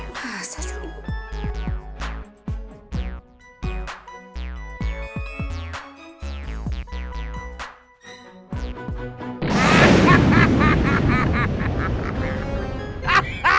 masa sih ini